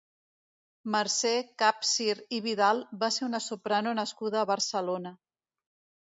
Mercè Capsir i Vidal va ser una soprano nascuda a Barcelona.